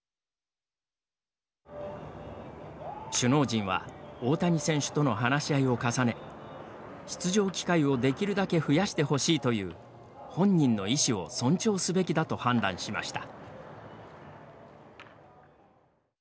首脳陣は大谷選手との話し合いを重ね出場機会をできるだけ増やしてほしいという本人の意思を尊重すべきだと判断しました。